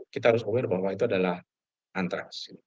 kita harus aware bahwa itu adalah antraks